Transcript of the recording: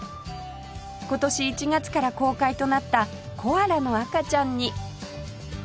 今年１月から公開となったコアラの赤ちゃんに